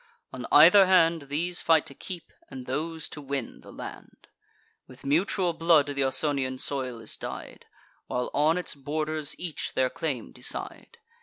On either hand, These fight to keep, and those to win, the land. With mutual blood th' Ausonian soil is dyed, While on its borders each their claim decide.